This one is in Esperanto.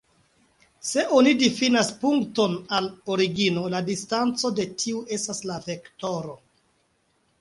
Se oni difinas punkton al origino, la distanco de tiu estas la vektoro.